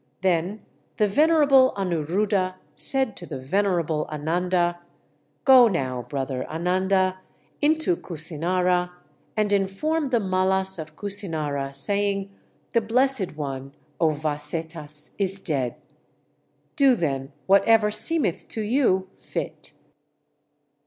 Then the venerable Anuruddha said to the venerable Ananda: "Go now, brother Ananda, into Kusinara and inform the Mallas of Kusinara, saying, 'The Blessed One, O Vasetthas, is dead: do, then, whatever seemeth to you fit!'"